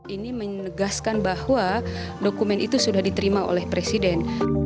ini menegaskan bahwa dokumen itu sudah diterima oleh presiden